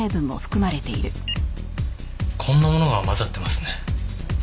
こんなものが混ざってますね。